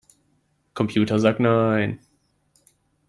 Computer sagt nein.